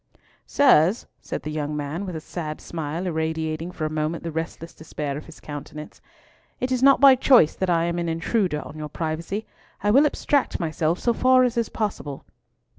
"Sirs," said the young man, with a sad smile irradiating for a moment the restless despair of his countenance, "it is not by choice that I am an intruder on your privacy; I will abstract myself so far as is possible."